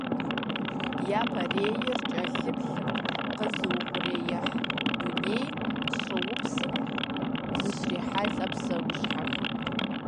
Япэрейр кӀэлъыплъырт къэзыухъуреихь дунейм, щӀыуэпсым зыщрихьэлӀэ псэущхьэхэм.